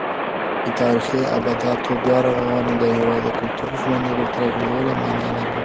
د تاریخي ابداتو بیارغونه د هېواد د کلتوري ژوند د بېرته راګرځولو مانا لري.